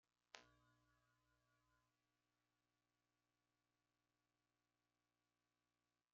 El sencillo contiene dos canciones.